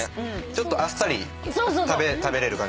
ちょっとあっさり食べれる感じですね。